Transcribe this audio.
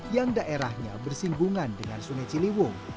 yang daerahnya bersinggungan dengan sungai ciliwung